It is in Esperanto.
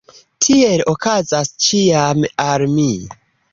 Tiel okazas ĉiam al mi.